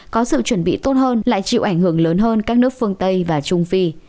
có sự chuẩn bị tốt hơn lại chịu ảnh hưởng lớn hơn các nước phương tây và trung phi